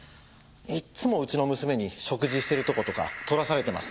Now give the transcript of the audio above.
いつもうちの娘に食事してるとことか撮らされてます。